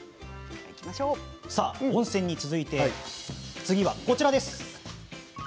温泉に続いて次はこちらです。